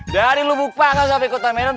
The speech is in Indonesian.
dari lubuk pasar sampai kota medan